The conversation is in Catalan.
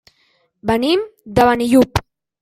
Venim de Benillup.